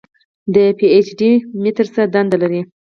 د پي ایچ متر څه دنده لري.